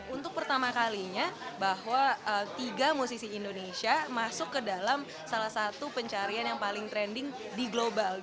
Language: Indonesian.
untuk pertama kalinya bahwa tiga musisi indonesia masuk ke dalam salah satu pencarian yang paling trending di global